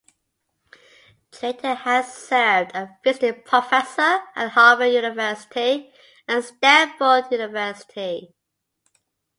Drayton has served as a visiting Professor at Harvard University and Stanford University.